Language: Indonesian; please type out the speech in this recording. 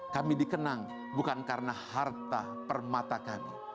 kami dikenang bukan karena harta permata kami